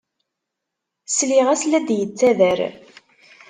Sliɣ-as la d-yettader.